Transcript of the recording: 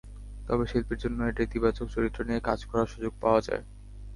তবে শিল্পীর জন্য এটা ইতিবাচক—চরিত্র নিয়ে কাজ করার সুযোগ পাওয়া যায়।